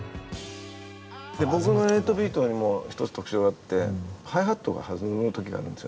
僕の８ビートにも一つ特徴があってハイハットが弾む時があるんですよね。